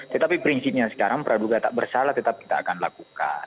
tetapi prinsipnya sekarang praduga tak bersalah tetap kita akan lakukan